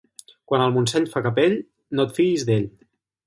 Quan el Montseny fa capell, no et fiïs d'ell.